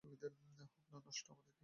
হোক না নষ্ট, আমাদের কী?